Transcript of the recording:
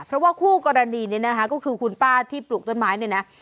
เพราะว่าคู่กรณีเนี่ยนะคะก็คือคุณป้าที่ปลูกต้นไม้เนี่ยนะ